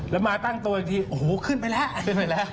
แล้วมาตั้งตัวอีกทีโอ้โหขึ้นไปแล้ว